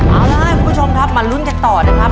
เอาล่ะคุณผู้ชมครับมาลุ้นกันต่อนะครับ